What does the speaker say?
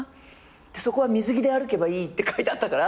そこは水着で歩けばいいって書いてあったから。